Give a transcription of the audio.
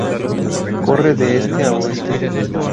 Corre de este a oeste.